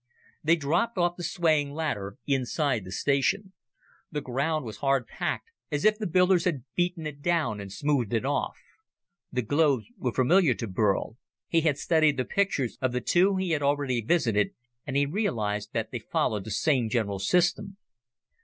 They dropped off the swaying ladder inside the station. The ground was hard packed as if the builders had beaten it down and smoothed it off. The globes were familiar to Burl he had studied the pictures of the two he had already visited and he realized that they followed the same general system.